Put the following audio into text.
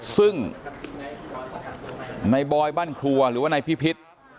ซึ่งในบอยบ้านครัวหรือว่านายพิพิษ